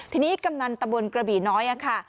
ทีนี้กำนันตะบนกระบี่น้อยค่ะ